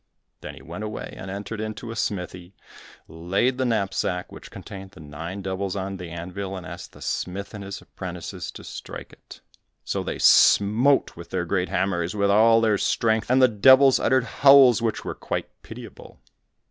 Then he went away, and entered into a smithy, laid the knapsack, which contained the nine devils on the anvil, and asked the smith and his apprentices to strike it. So they smote with their great hammers with all their strength, and the devils uttered howls which were quite pitiable.